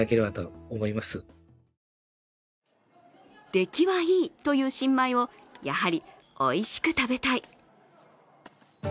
出来はいいという新米をやはりおいしく食べたい。